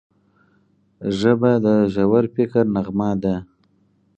ژبه د ژور فکر نغمه ده